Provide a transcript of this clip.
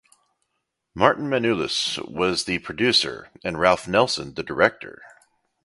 Martin Manulis was the producer and Ralph Nelson the director.